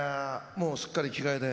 もうすっかり着替えて。